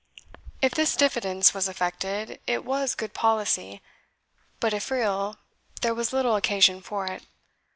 If this diffidence was affected, it was good policy; but if real, there was little occasion for it.